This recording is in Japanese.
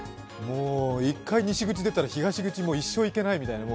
一回西口出たら、東口に一生行けないみたいな。